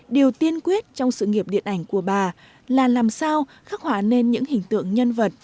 điều tiên quyết trong sự nghiệp điện ảnh của bà là làm sao khắc họa nên những hình tượng nhân vật